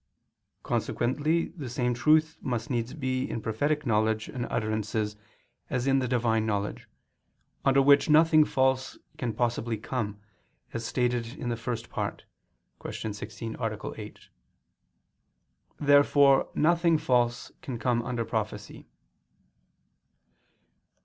Consequently the same truth must needs be in prophetic knowledge and utterances, as in the Divine knowledge, under which nothing false can possibly come, as stated in the First Part (Q. 16, A. 8). Therefore nothing false can come under prophecy.